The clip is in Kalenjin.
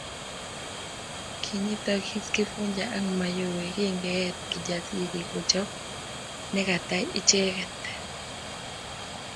Kinyitakis Kifuja ak Mayowe kingeet Kijasiri kochob nekata icheget